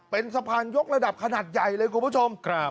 เป็นสะพานยกระดับขนาดใหญ่เลยคุณผู้ชม